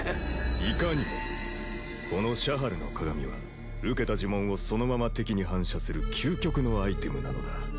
いかにもこのシャハルの鏡は受けた呪文をそのまま敵に反射する究極のアイテムなのだ。